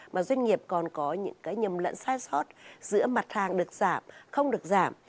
mà doanh nghiệp còn có những cái nhầm lẫn sai sót giữa mặt hàng được giảm không được giảm